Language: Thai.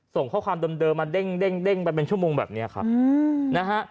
ส่งข้อความเดิมมาเด้งไปเป็นชั่วโมงแบบนี้ครับนะฮะ